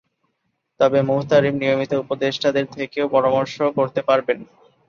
তবে মুহতামিম নিয়মিত উপদেষ্টাদের থেকেও পরামর্শ করতে পারবেন।